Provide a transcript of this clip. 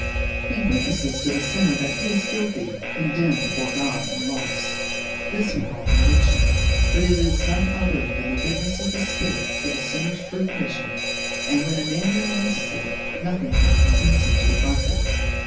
He witnesses to the sinner that he is guilty, condemned before God, and lost. This we call conviction; but it is none other than the witness of the Spirit to the sinner's true condition; and when a man realises it, nothing can convince him to the contrary.